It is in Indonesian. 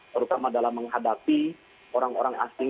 terutama dalam menghadapi orang orang asing